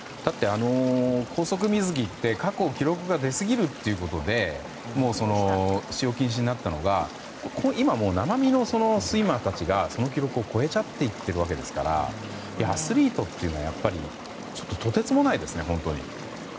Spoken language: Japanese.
高速水着って過去、記録が出すぎるってことで使用禁止になったのが今、生身のスイマーたちがその記録を超えちゃっていっているわけですからアスリートはやっぱりとてつもないですね、本当に。